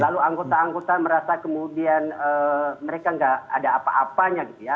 lalu anggota anggota merasa kemudian mereka nggak ada apa apanya gitu ya